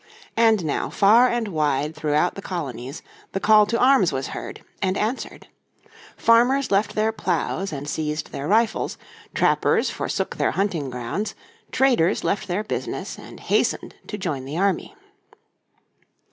And now far and wide throughout the colonies the call to arms was heard and answered. Farmers left their ploughs and seized their rifles, trappers forsook their hunting grounds, traders left their business, and hastened to join the army.